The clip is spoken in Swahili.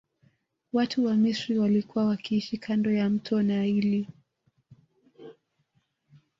Watu wa misri walikua wakiishi kando ya mto naili